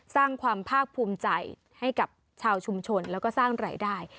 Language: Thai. สร้างความภาคภูมิใจให้กับชาวชุมชนแล้วก็สร้างรายได้